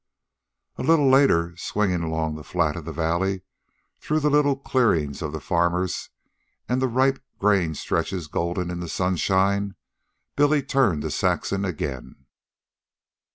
A little later, swinging along the flat of the valley, through the little clearings of the farmers and the ripe grain stretches golden in the sunshine, Billy turned to Saxon again.